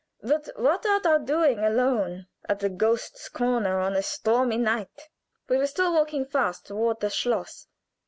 But what art thou doing alone at the Ghost's Corner on a stormy night?" We were still walking fast toward the schloss.